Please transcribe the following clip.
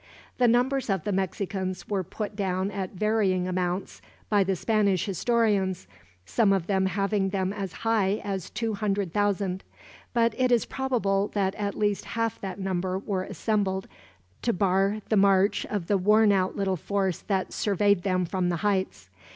The numbers of the Mexicans were put down at varying amounts by the Spanish historians, some of them having them as high as two hundred thousand; but it is probable that at least half that number were assembled, to bar the march of the worn out little force that surveyed them from the heights.